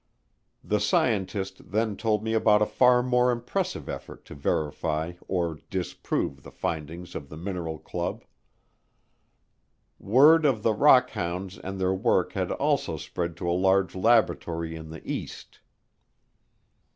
The scientist then told me about a far more impressive effort to verify or disprove the findings of the "mineral club." Word of the "rock hounds" and their work had also spread to a large laboratory in the East.